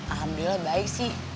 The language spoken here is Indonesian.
alhamdulillah baik sih